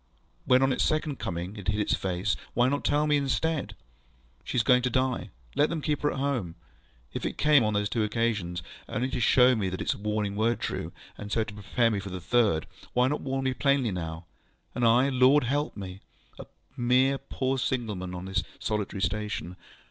When on its second coming it hid its face, why not tell me, instead, ŌĆśShe is going to die. Let them keep her at homeŌĆÖ? If it came, on those two occasions, only to show me that its warnings were true, and so to prepare me for the third, why not warn me plainly now? And I, Lord help me! A mere poor signal man on this solitary station!